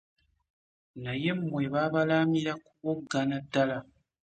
Naye mmwe baabalaamira kuwoggana ddala?